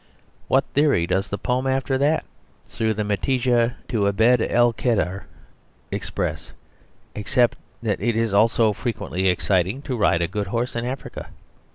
What theory does the poem after that, "Through the Metidja to Abd el Kadr," express, except that it is also frequently exciting to ride a good horse in Africa?